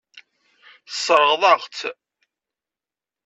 Tesseṛɣeḍ-aɣ-tt.